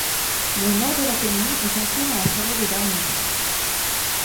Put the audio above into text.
Le nord de la commune est inclus dans la forêt de Darney.